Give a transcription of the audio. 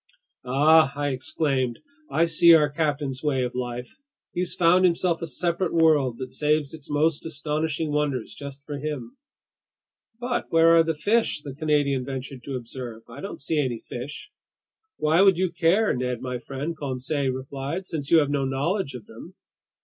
"Ah!" I exclaimed. "I see our captain's way of life! He's found himself a separate world that saves its most astonishing wonders just for him!" "But where are the fish?" the Canadian ventured to observe. "I don't see any fish!" "Why would you care, Ned my friend?" Conseil replied. "Since you have no knowledge of them."